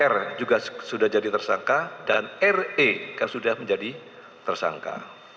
r juga sudah jadi tersangka dan re kan sudah menjadi tersangka